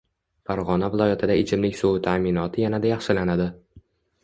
Farg‘ona viloyatida ichimlik suvi ta’minoti yanada yaxshilanadi